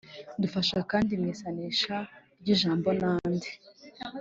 Dufasha kandi mu isanisha ry’ijambo n’andi